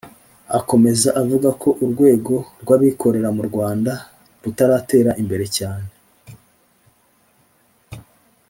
Akomeza avuga ko urwego rw’abikorera mu Rwanda rutaratera imbere cyane